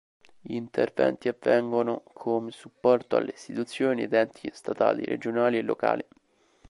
Gli interventi avvengono come supporto alle istituzioni ed enti statali, regionali e locali.